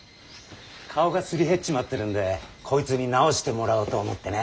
顔がすり減っちまってるんでこいつに直してもらおうと思ってね。